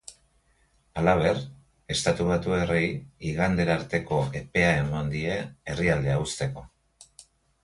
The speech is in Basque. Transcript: Halaber, estatubatuarrei igandera arteko epea eman die herrialdea uzteko.